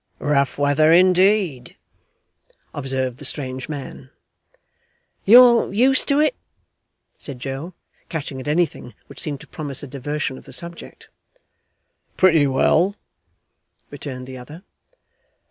Rough weather indeed!' observed the strange man. 'You're used to it?' said Joe, catching at anything which seemed to promise a diversion of the subject. 'Pretty well,' returned the other.